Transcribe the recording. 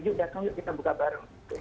yuk datang yuk kita buka bareng